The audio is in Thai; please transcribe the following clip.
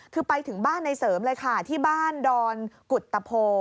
คือไปถึงบ้านในเสริมเลยค่ะที่บ้านดอนกุตตะโพ